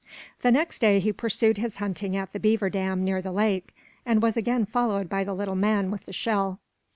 The next day he pursued his hunting at the beaver dam near the lake, and he was again followed by the little man with the shell.